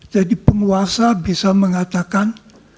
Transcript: jadi penguasa bisa mengatakan